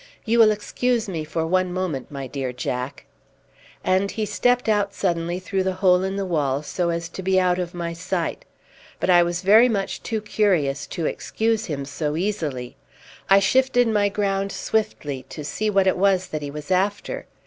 You will excuse me for one moment, my dear Jack." And he stepped out suddenly through the hole in the wall, so as to be out of my sight. But I was very much too curious to excuse him so easily. I shifted my ground swiftly to see what it was that he was after.